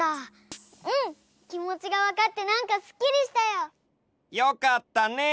うんきもちがわかってなんかすっきりしたよ！よかったね！